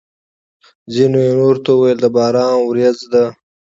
ځینو یې نورو ته ویل: د باران ورېځ ده!